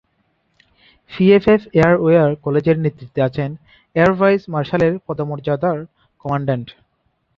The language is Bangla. পিএএফ এয়ার ওয়ার কলেজের নেতৃত্বে আছেন এয়ার ভাইস মার্শালের পদমর্যাদার কমান্ড্যান্ট।